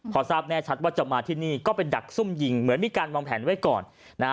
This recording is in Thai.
พอทราบแน่ชัดว่าจะมาที่นี่ก็ไปดักซุ่มยิงเหมือนมีการวางแผนไว้ก่อนนะฮะ